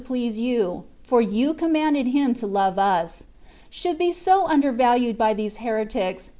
^ please You (for You comniandedJEH(HutO'lS?i<4lj "' should be so undervalued by these heretiiss